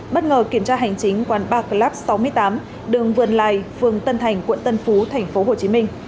bất ngờ kiểm tra hành chính quán bar club sáu mươi tám đường vườn lài phường tân thành quận tân phú tp hcm